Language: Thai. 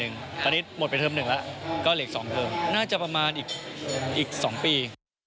เอาตอนนี้หมดไป๔นึงแล้วก็เหลียก๒เข่าน่าจะประมาณอีก๒ปี